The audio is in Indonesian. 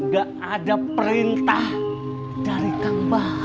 gak ada perintah dari kang bahar